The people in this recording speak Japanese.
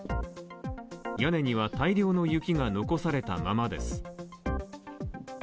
屋根には大量の雪が残されたままです。